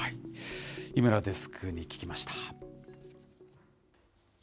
井村デスクに聞きました。